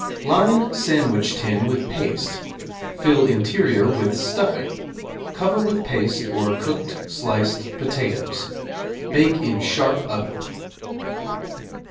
Line sandwich tin with paste; fill interior with stuffing; cover with paste or cooked sliced potatoes; bake in sharp oven.